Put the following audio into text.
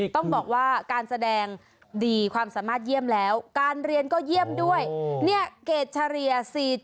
ต้องบอกว่าการแสดงดีความสามารถเยี่ยมแล้วการเรียนก็เยี่ยมด้วยเนี่ยเกรดเฉลี่ย๔๗